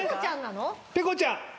ペコちゃんなの？